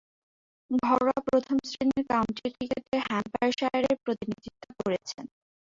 ঘরোয়া প্রথম-শ্রেণীর কাউন্টি ক্রিকেটে হ্যাম্পশায়ারের প্রতিনিধিত্ব করেছেন।